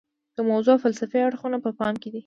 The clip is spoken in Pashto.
د موضوع فلسفي اړخونه په پام کې دي.